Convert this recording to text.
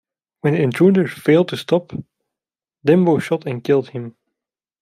When the intruder failed to stop, Dembo shot and killed him.